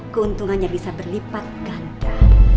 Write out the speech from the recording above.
keuntungan yang bisa berlipat ganda